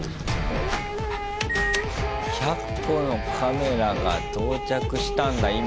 １００個のカメラが到着したんだ今。